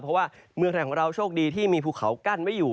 เพราะว่าเมืองไทยของเราโชคดีที่มีภูเขากั้นไว้อยู่